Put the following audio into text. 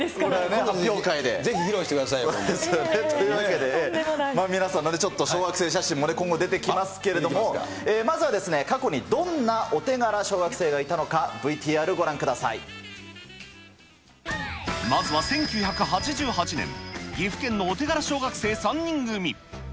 ぜひ披露してください。というわけで、皆さんの小学生写真も今後出てきますけれども、まずは過去にどんなお手柄小学生まずは１９８８年、岐阜県のお手柄小学生３人組。